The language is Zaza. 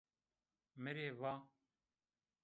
Mi rê va